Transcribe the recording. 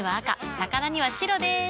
魚には白でーす。